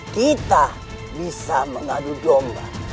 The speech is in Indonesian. kita bisa mengadu domba